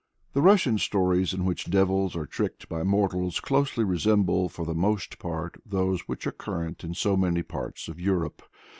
The Russian stories in which devils are tricked by mortals closely resemble, for the most part, those which are current in so many parts of Europe.